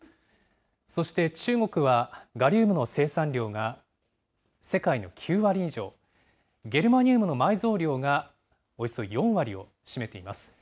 そして中国は、ガリウムの生産量が世界の９割以上、ゲルマニウムの埋蔵量がおよそ４割を占めています。